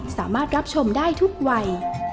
สามารถรับชมได้ทุกวัย